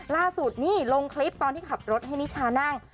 ล่าสุดนี่ลงคลิปตอนที่ขับรถให้นิชานั่ง